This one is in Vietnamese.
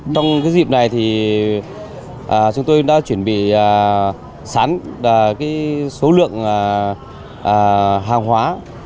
trong dịp này chúng tôi đã chuẩn bị sắn số lượng hàng hóa